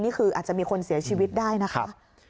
นี่คืออาจจะมีคนเสียชีวิตได้นะคะ